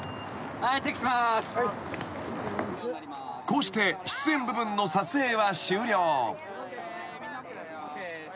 ［こうして出演部分の撮影は終了］